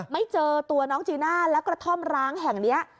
ไม่เจอตัวน้องจีน่าแล้วกระท่อมร้างแห่งนี้